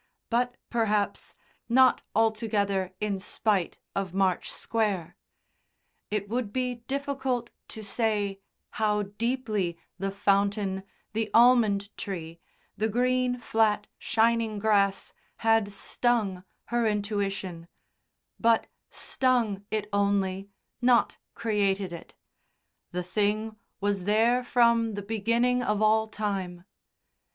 But, perhaps, not altogether in spite of March Square. It would be difficult to say how deeply the fountain, the almond tree, the green, flat shining grass had stung her intuition; but stung it only, not created it the thing was there from the beginning of all time.